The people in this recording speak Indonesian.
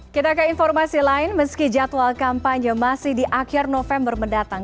kita ke informasi lain meski jadwal kampanye masih di akhir november mendatang